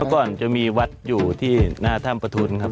ก่อนจะมีวัดอยู่ที่หน้าถ้ำประทุนครับ